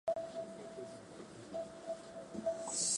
富山県上市町